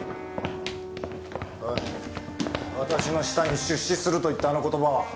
おい私の舌に出資すると言ったあの言葉は？